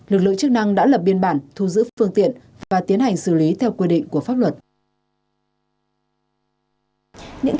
lực lượng chức năng đã lập biên bản thu giữ phương tiện và tiến hành xử lý theo quy định của pháp luật